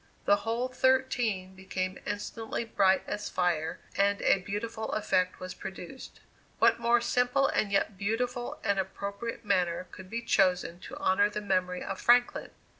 The whole thirteen became instantly bright as fire, and a beautiful effect was produced. What more simple and yet beautiful and appropriate manner could be chosen to honor the memory of Franklin?